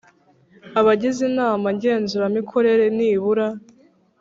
Abagize inama ngenzuramikorere nibura